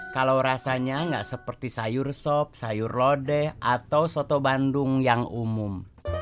kalau rasanya nggak seperti sayur sop sayur lodeh atau soto bandung yang umum